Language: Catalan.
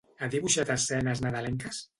Ha dibuixat escenes nadalenques?